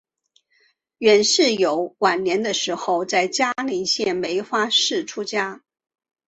阮氏游晚年的时候在嘉林县梅发寺出家。